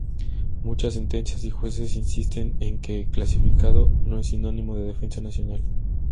Muchas sentencias y jueces insisten en que "clasificado" no es sinónimo de defensa nacional.